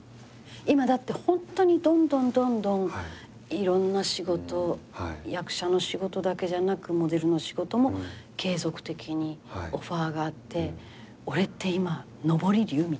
今だってホントにどんどんどんどんいろんな仕事役者の仕事だけじゃなくモデルの仕事も継続的にオファーがあって「俺って今昇り竜」みたいに思わないんですか？